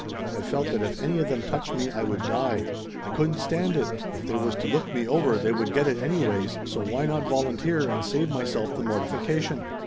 I felt that if any of them touched me I would die. I couldn't stand it. If they was to look me over they would get it anyways, so why not volunteer and save myself the mortification?